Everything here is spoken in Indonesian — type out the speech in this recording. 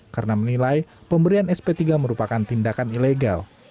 karena menilai pemberian sp tiga merupakan tindakan ilegal